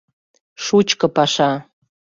Шучко паша!